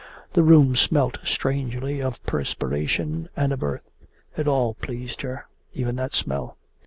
The room smelt strangely of perspiration and of earth. It all pleased her even that smell.